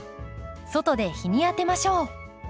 外で日に当てましょう。